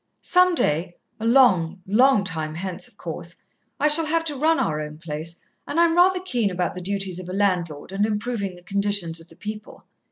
Some day a long, long time hence, of course I shall have to run our own place, and I'm rather keen about the duties of a landlord, and improving the condition of the people.